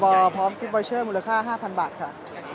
พอพร้อมทิศโปรเชอร์มูลค่า๕๐๐๐บาทค่ะ